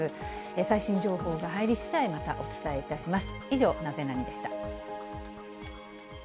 最新情報が入りしだい、またお伝えいたします。